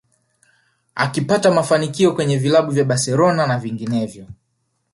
Akipata mafanikio kwenye vilabu vya Barcelona na vinginevyo